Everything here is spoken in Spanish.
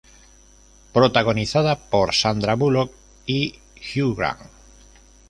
Protagonizada por Sandra Bullock y Hugh Grant.